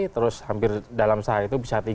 terus hampir dalam sehari itu bisa tiga